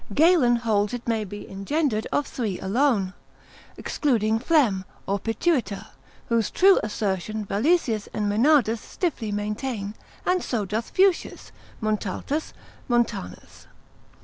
Galen holds it may be engendered of three alone, excluding phlegm, or pituita, whose true assertion Valesius and Menardus stiffly maintain, and so doth Fuschius, Montaltus, Montanus.